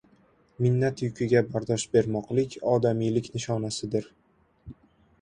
— Minnat yukiga bardosh bermoqlik — odamiylik nishonasidir.